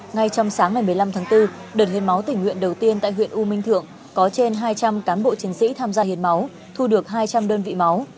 ngay trong sáng ngày một mươi năm tháng bốn đợt hiến máu tỉnh nguyện đầu tiên tại huyện u minh thượng có trên hai trăm linh cán bộ chiến sĩ tham gia hiến máu thu được hai trăm linh đơn vị máu